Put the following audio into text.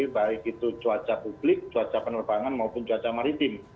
baik itu cuaca publik cuaca penerbangan maupun cuaca maritim